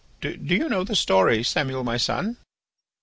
Do you know the story, Samuel, my son?"